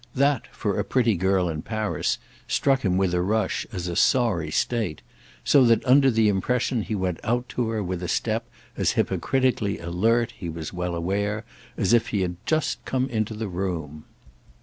That, for a pretty girl in Paris, struck him, with a rush, as a sorry state; so that under the impression he went out to her with a step as hypocritically alert, he was well aware, as if he had just come into the room.